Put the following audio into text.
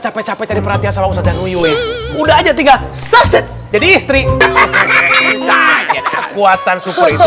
capek capek jadi perhatian sama ustadz dan ruy udah aja tinggal jadi istri kekuatan super itu